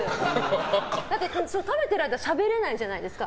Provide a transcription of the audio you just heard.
だって食べてる間はしゃべれないじゃないですか。